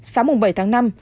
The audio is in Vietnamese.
sáng bảy tháng năm